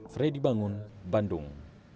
fredy bangun bandung